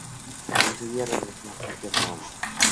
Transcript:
Enseguida regresó a Peterborough.